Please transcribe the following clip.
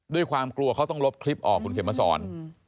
ด้วยความกลัวเขาต้องลบคลิปออกคุณเขียนมาสอน